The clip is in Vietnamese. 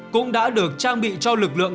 cũng đã được trang bị cho lực lượng